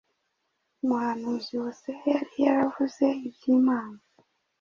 Umuhanuzi Hoseya yari yaravuze ibyimana